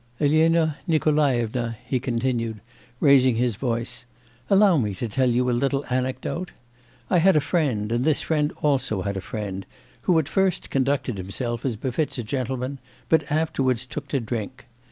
'Elena Nikolaevna,' he continued, raising his voice, 'allow me to tell you a little anecdote. I had a friend, and this friend also had a friend, who at first conducted himself as befits a gentleman but afterwards took to drink.